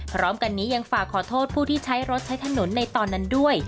พร้อมกันนี้ยังฝากขอโทษผู้ที่ใช้รถใช้ถนนในตอนนั้นด้วย